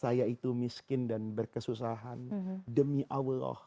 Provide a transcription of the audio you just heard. saya itu miskin dan berkesusahan demi allah